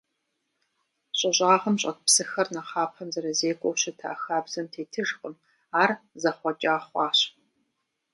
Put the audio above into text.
Щӏы щӏагъым щӏэт псыхэр нэхъапэм зэрызекӏуэу щыта хабзэм тетыжкъым, ар зэхъуэкӏа хъуащ.